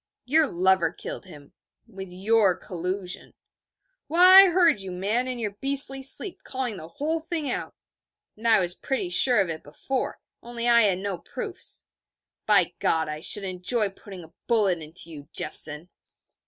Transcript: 'Your lover killed him with your collusion. Why, I heard you, man, in your beastly sleep, calling the whole thing out. And I was pretty sure of it before, only I had no proofs. By God, I should enjoy putting a bullet into you, Jeffson!'